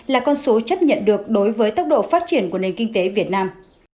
là con số chấp nhận được đối với tốc độ phát triển của nền kinh tế việt nam